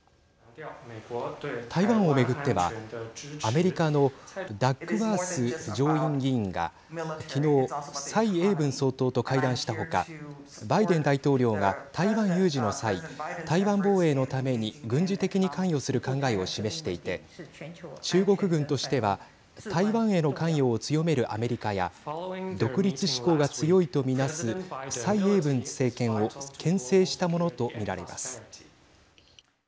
台湾をめぐってはアメリカのダックワース上院議員がきのう蔡英文総統と会談したほかバイデン大統領が、台湾有事の際台湾防衛のために軍事的に関与する考えを示していて中国軍としては台湾への関与を強めるアメリカや独立志向が強いと見なす蔡英文政権をけん制したものとみられます。